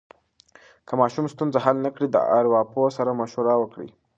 که ماشوم ستونزه حل نه کړي، د ارواپوه سره مشوره وکړئ.